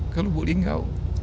ke lubuk linggau